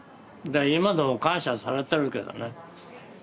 今でも感謝されてるけどね